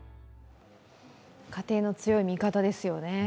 家庭の強い味方ですよね。